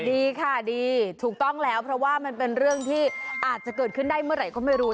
ดีค่ะดีถูกต้องแล้วเพราะว่ามันเป็นเรื่องที่อาจจะเกิดขึ้นได้เมื่อไหร่ก็ไม่รู้